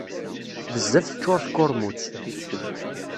Bezzaf teččur tkurmut.